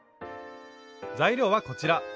材料はこちら。